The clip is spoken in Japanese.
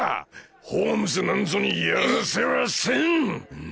ホームズなんぞにやらせはせん！